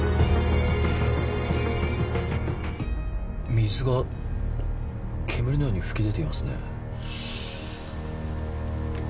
水が煙のように噴き出ていますね